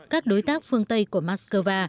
các đối tác phương tây của moscow